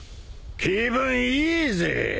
気分いいぜ。